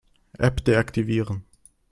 App deaktivieren.